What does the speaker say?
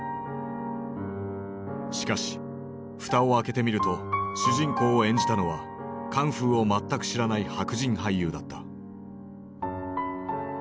しかし蓋を開けてみると主人公を演じたのはカンフーを全く知らない白人俳優だった。